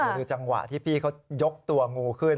ดูจังหวะที่พี่เขายกตัวงูขึ้น